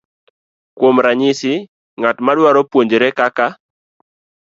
Kuom ranyisi, ng'at madwaro puonjre kaka